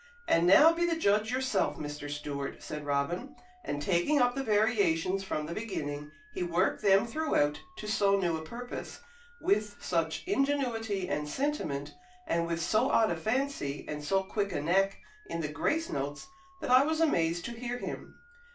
"And now be the judge yourself, Mr. Stewart," said Robin; and taking up the variations from the beginning, he worked them throughout to so new a purpose, with such ingenuity and sentiment, and with so odd a fancy and so quick a knack in the grace notes, that I was amazed to hear him.